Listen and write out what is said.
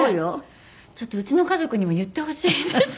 ちょっとうちの家族にも言ってほしいです。